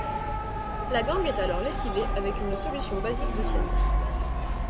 La gangue est alors lessivée avec une solution basique de cyanure.